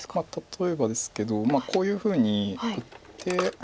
例えばですけどこういうふうに打って。